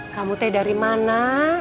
kamu teh dari mana